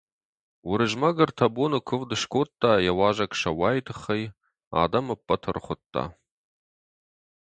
Уырызмӕг ӕртӕ абоны куывд скодта йӕ уазӕг Сӕуайы тыххӕй, адӕм ӕппӕт ӕрхуыдта.